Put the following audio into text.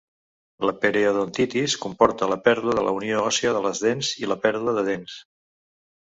La periodontitis comporta la pèrdua de la unió òssia de les dents i la pèrdua de dents.